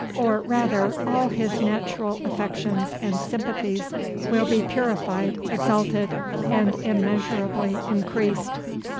Or rather, all his natural affections and sympathies will be purified, exalted, and immeasurably increased.